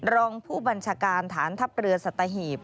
รองผู้บัญชาการฐานทัพเรือสัตหีบ